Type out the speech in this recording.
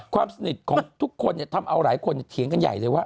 ความสนิทของทุกคนทำเอาหลายคนเถียงกันใหญ่เลยว่า